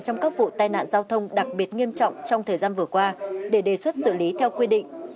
trong các vụ tai nạn giao thông đặc biệt nghiêm trọng trong thời gian vừa qua để đề xuất xử lý theo quy định